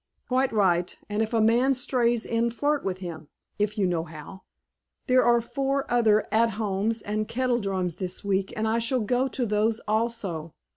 "Quite right. And if a man strays in flirt with him if you know how." "There are four other At Homes and kettledrums this week and I shall go to those also.